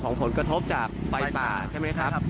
ผลกระทบจากไฟป่าใช่ไหมครับ